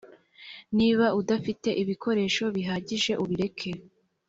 niba udafite ibikoresho bihagije ubireke.